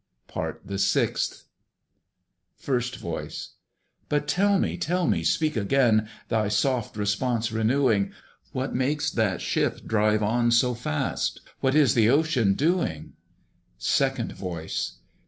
PART THE SIXTH. FIRST VOICE. But tell me, tell me! speak again, Thy soft response renewing What makes that ship drive on so fast? What is the OCEAN doing? SECOND VOICE.